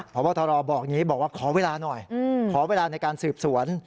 ผอบตรบอกว่าขอเวลาหน่อยขอเวลาในการสืบสวน